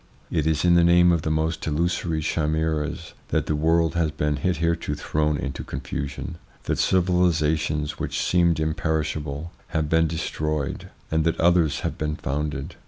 It is in the name of the most illusory chimeras that the world has been hitherto thrown into confusion, that civilisations which seemed imperishable have been destroyed, and that others have been founded.